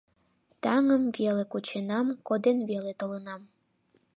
Таҥым веле кученам, коден веле толынам